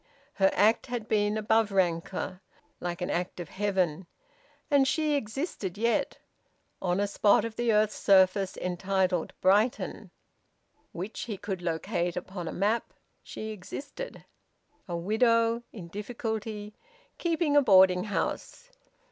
Her act had been above rancour, like an act of Heaven! And she existed yet. On a spot of the earth's surface entitled Brighton, which he could locate upon a map, she existed: a widow, in difficulty, keeping a boarding house.